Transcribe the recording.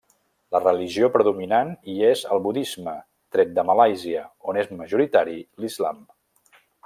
La religió predominant hi és el budisme, tret de Malàisia, on és majoritari l'islam.